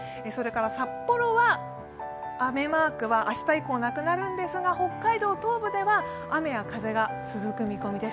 札幌は雨マークは明日以降、なくなるんですが北海道東部では雨や風が続く見込みです。